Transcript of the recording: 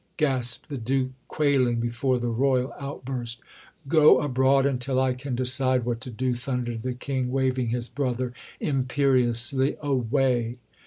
gasped the Duke, quailing before the Royal outburst. "Go abroad until I can decide what to do," thundered the King, waving his brother imperiously away.